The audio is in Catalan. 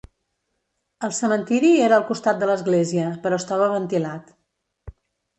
El cementiri era al costat de l'església, però estava ventilat.